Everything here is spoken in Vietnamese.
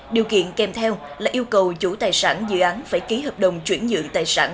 điều kiện kèm theo là yêu cầu chủ tài sản dự án phải ký hợp đồng chuyển dự tài sản